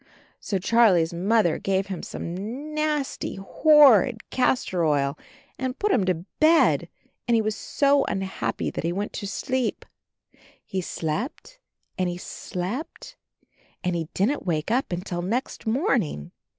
So Charlie's Mother gave him some nasty horrid castor oil and put him to bed, and he was so unhappy that he went to sleep. He slept and he slept and he didn't wake up until next morning.